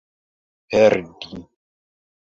perdi